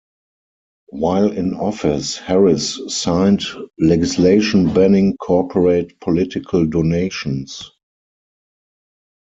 While in office, Harris signed legislation banning corporate political donations.